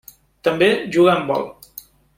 També jugà a Handbol.